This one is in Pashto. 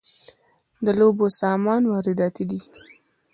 د لوبو سامان وارداتی دی؟